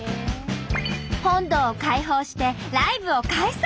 本堂を開放してライブを開催！